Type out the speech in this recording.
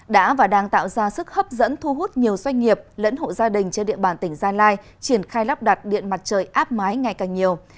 đã và đang tạo ra sức hấp dẫn thu hút nhiều doanh nghiệp lẫn hộ gia đình trên địa bàn tỉnh gia lai triển khai lắp đặt điện mặt trời áp mái ngày càng nhiều